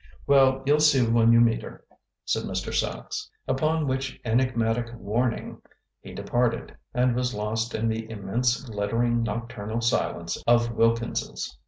"Well, you'll see when you meet her," said Mr. Sachs. Upon which enigmatic warning he departed, and was lost in the immense glittering nocturnal silence of Wilkins's.